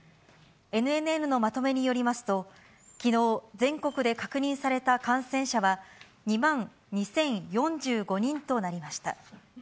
ＮＮＮのまとめによりますと、きのう、全国で確認された感染者は、２万２０４５人となりました。